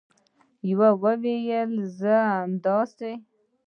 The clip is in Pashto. یوې وویل: زه همداسې